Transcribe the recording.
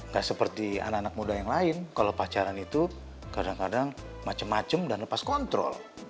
gak seperti anak anak muda yang lain kalau pacaran itu kadang kadang macem macem dan lepas kontrol